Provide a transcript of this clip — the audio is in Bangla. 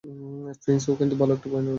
ফিঞ্চ, ও কিন্তু ভালো একটা পয়েন্ট ধরেছে।